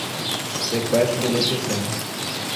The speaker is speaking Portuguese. Sequestro de sessão